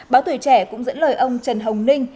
báo tuổi trẻ cũng dẫn lời ông trần hồng ninh